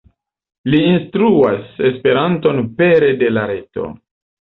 Li instruas Esperanton pere de la reto.